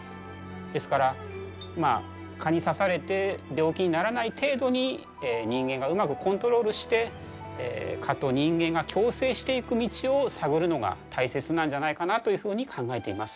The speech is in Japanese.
ですからまあ蚊に刺されて病気にならない程度に人間がうまくコントロールして蚊と人間が共生していく道を探るのが大切なんじゃないかなというふうに考えています。